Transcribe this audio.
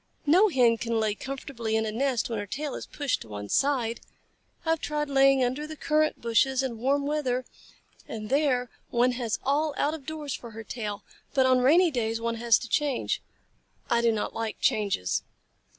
No Hen can lay comfortably in a nest when her tail is pushed to one side. I have tried laying under the currant bushes in warm weather, and there one has all out of doors for her tail, but on rainy days one has to change. I do not like changes."